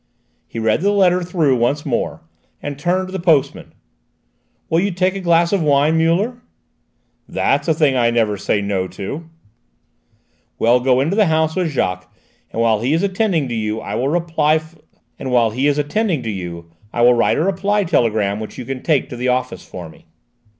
He read the letter through once more, and turned to the postman. "Will you take a glass of wine, Muller?" "That's a thing I never say 'no' to." "Well, go into the house with Jacques, and while he is attending to you I will write a reply telegram which you can take to the office for me."